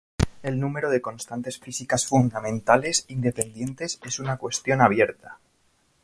El número de constantes físicas fundamentales independientes es una cuestión abierta.